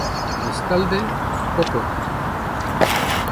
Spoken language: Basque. Bestalde, ko kuota.